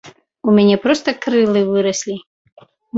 У мяне проста крылы выраслі.